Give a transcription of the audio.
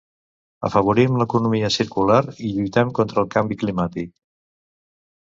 Afavorim l'economia circular i lluitem contra el canvi climàtic.